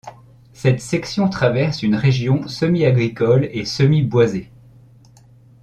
Cette section traverse une région semie-agricole et semie-boisée.